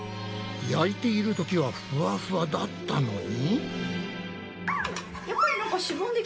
焼いているときはふわふわだったのに。